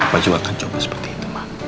mama juga akan coba seperti itu ma